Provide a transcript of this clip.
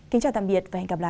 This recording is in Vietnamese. kính chào tạm biệt và hẹn gặp lại